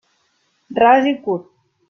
Ras i curt.